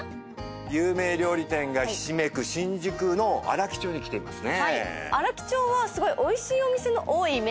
有名料理店がひしめく新宿の荒木町に来ていますね。